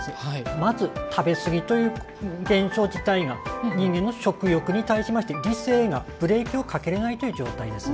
まず食べ過ぎという現象自体が人間の食欲に対しまして理性がブレーキをかけれないという状態です。